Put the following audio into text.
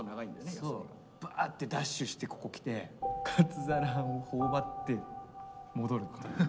バッてダッシュしてここ来てカツ皿を頬張って戻るっていう。